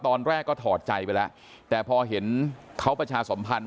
ตอนแรกก็ถอดใจไปแล้วแต่พอเห็นเขาประชาสมพันธ์